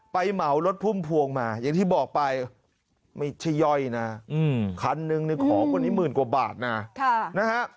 เหมารถพุ่มพวงมาอย่างที่บอกไปไม่ใช่ย่อยนะคันหนึ่งของคนนี้หมื่นกว่าบาทนะนะฮะ